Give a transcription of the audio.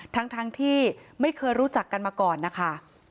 ทั้งที่ไม่เคยรู้จักกันมาก่อนนะคะ